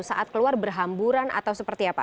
saat keluar berhamburan atau seperti apa